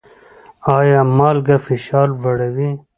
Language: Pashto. ایا مالګه فشار لوړوي؟